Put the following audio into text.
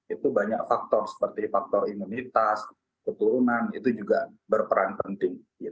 itu banyak faktor seperti faktor imunitas keturunan itu juga berperan penting